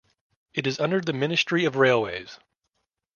It is under the Ministry of Railways.